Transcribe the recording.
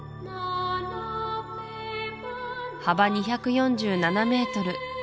幅２４７メートル